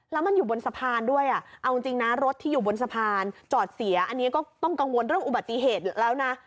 แล้วมันอยู่บนสะพานด้วยเอาจริงนะรถที่อยู่บนสะพานจอดเสียอันนี้ก็ต้องกังวลเรื่องอุบัติเหตุอยู่แล้วนะ